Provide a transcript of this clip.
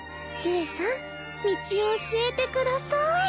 杖さん道を教えてください。